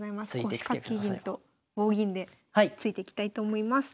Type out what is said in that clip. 腰掛け銀と棒銀でついていきたいと思います。